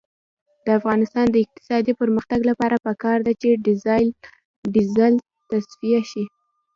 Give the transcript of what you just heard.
د افغانستان د اقتصادي پرمختګ لپاره پکار ده چې ډیزل تصفیه شي.